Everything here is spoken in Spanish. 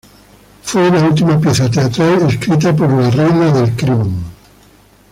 Fue la última pieza teatral escrita por La Reina del Crimen.